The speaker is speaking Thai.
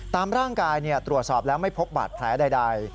ตามร่างกายตรวจสอบแล้วไม่พบบาดแผลใด